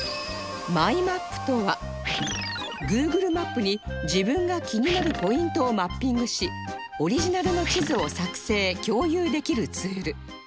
マイマップとは Ｇｏｏｇｌｅ マップに自分が気になるポイントをマッピングしオリジナルの地図を作成共有できるツール